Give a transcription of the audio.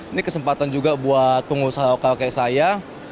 ini kesempatan juga buat pengusaha lokal kayak saya